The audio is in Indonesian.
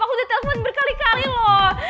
aku udah telepon berkali kali loh